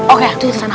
oke duduk di sana